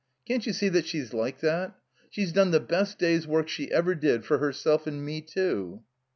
Can't you see that she's like that? She's done the best day's work she ever did for herself and me, too."